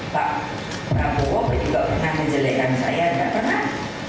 pak prabowo juga pernah menjelekan saya tidak pernah